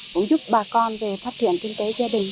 cũng giúp bà con về phát triển kinh tế gia đình